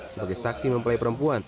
sebagai saksi mempelai perempuan